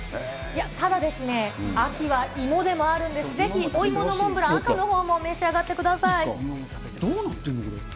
いや、ただですね、秋は芋でもあるんです、ぜひお芋のモンブラン、赤のほうも召し上がってください。